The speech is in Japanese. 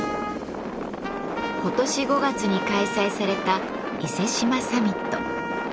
今年５月に開催された伊勢志摩サミット。